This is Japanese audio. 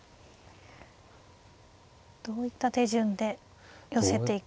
どういった手順で寄せていくのか。